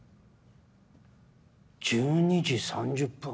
１２時３０分。